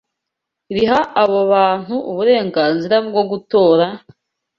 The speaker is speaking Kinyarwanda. riha abo bantu uburenganzira bwo gutora,